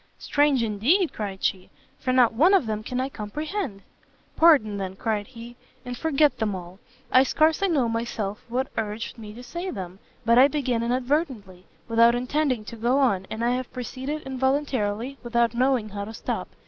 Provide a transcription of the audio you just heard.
"Strange indeed," cried she, "for not one of them can I comprehend!" "Pardon, then," cried he, "and forget them all! I scarce know myself what urged me to say them, but I began inadvertently, without intending to go on, and I have proceeded involuntarily, without knowing how to stop.